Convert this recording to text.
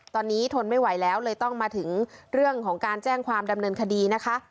ตอนนี้ทนไม่ไหวแล้วเลยต้องมาถึงเรื่องของการแจ้งความดำเนินคดีนะคะ